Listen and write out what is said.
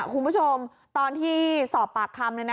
คุณผู้ชมตอนที่สอบปากคำ